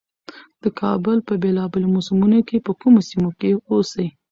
د کال په بېلا بېلو موسمونو کې په کومو سيمو کښې اوسي،